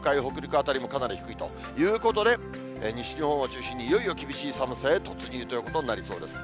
辺りもかなり低いということで、西日本を中心にいよいよ厳しい寒さへ突入ということになりそうです。